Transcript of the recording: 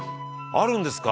「あるんですよ」